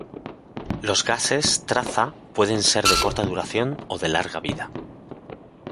Los gases traza pueden ser de corta duración o de larga vida.